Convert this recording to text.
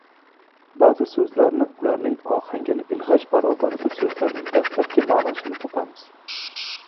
Baʼzi soʻzlarni, ularning ohangini ilgʻash barobarida soʻzlarning dastlabki maʼnosini topamiz…